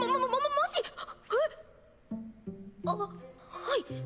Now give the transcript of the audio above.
あっはい。